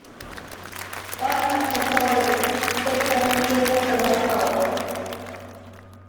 One such performer is Takeshi Sasamoto.